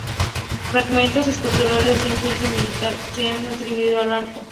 Fragmentos esculturales de un friso militar se han atribuido al arco.